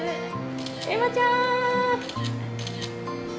恵麻ちゃん。